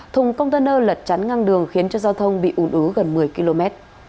thùng container lật chắn ngang đường khiến cho giao thông bị ủn ứ gần một mươi km